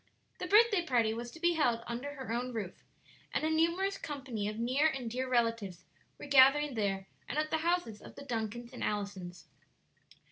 The birthday party was to be held under her own roof, and a numerous company of near and dear relatives were gathering there and at the houses of the Duncans and Allisons.